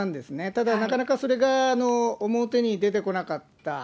ただ、なかなかそれが表に出てこなかった。